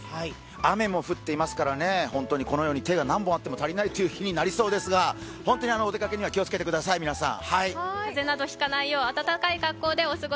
雨も降っていますから本当にこのように手が何本あっても足りない日になりそうですが、本当にお出かけには気をつけてください、皆さん。